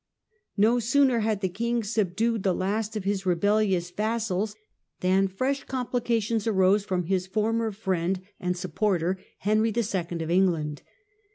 No sooner had the king subdued the last of his rebellious vassals than fresh complications arose with his former friend and supporter, Henry II. of England.